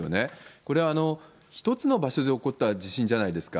これ、１つの場所で起こった地震じゃないですか。